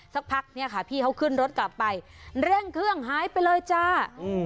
สักพักเนี้ยค่ะพี่เขาขึ้นรถกลับไปเร่งเครื่องหายไปเลยจ้าอืม